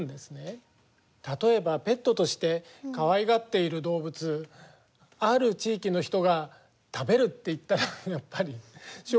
例えばペットとしてかわいがっている動物ある地域の人が食べるって言ったらやっぱりショックですよね？